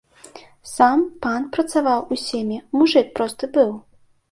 Сам пан працаваў у сейме, мужык просты быў!